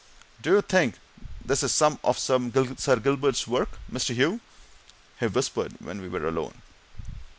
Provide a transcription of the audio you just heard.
Do you think this is some of Sir Gilbert's work, Mr. Hugh?" he whispered when we were alone.